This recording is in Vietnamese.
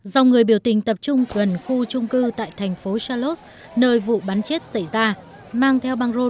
dòng người biểu tình tập trung gần khu trung cư tại thành phố charlottes nơi vụ bắn chết xảy ra